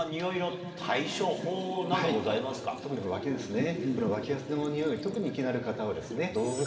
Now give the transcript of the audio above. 特に脇ですね。